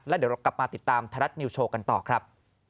และเดี๋ยวกลับมาติดตามแทรัศนิวโชว์กันต่อครับ